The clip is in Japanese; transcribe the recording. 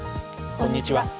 こんにちは。